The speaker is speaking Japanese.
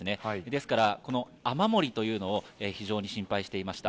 ですから、この雨漏りというのを、非常に心配していました。